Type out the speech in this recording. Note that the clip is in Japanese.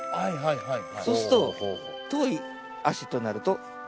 そうすると遠い足となると。